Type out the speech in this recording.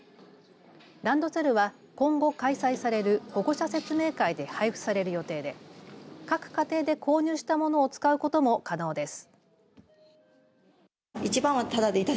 ランドセルは今後開催される保護者説明会で配布される予定で各家庭で購入したものを使うことも可能です。